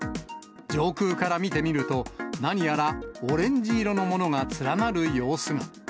上空から見てみると、何やらオレンジ色のものが連なる様子が。